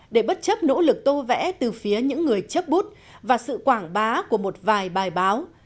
để bất chấp nỗ lực tô vẽ từ phía những người chấp bút và sự quảng bá của một vài bài báo